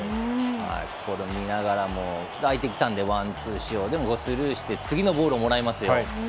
これ見ながらも相手きたんでワンツー仕様でもスルーして次のボールをもらいますよ。